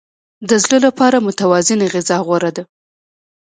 د زړه لپاره متوازنه غذا غوره ده.